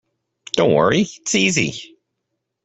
Don’t worry, it’s easy.